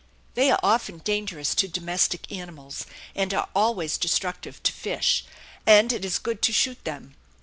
They are often dangerous to domestic animals, and are always destructive to fish, and it is good to shoot them.